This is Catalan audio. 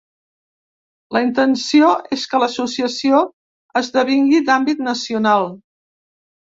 La intenció és que l’associació esdevingui d’àmbit nacional.